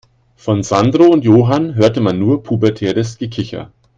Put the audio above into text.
Von Sandro und Johann hörte man nur pubertäres Gekicher.